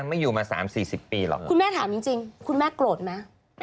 ไม่อยู่มา๓๔๐ปีหรอกคุณแม่ถามจริงคุณแม่โกรธไหม